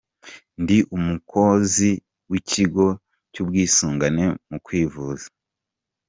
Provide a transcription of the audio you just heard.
Ndi umukozi w’ikigo cy’ubwisungane mu kwivuza.